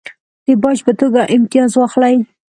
د باج په توګه امتیاز واخلي.